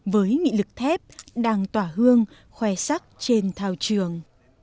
với nghị lực thép đang tỏa hương khoe sắc trên thao trường